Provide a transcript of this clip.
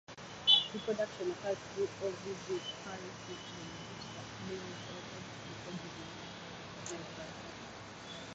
Reproduction occurs through ovoviviparity in which the males brood eggs before giving live birth.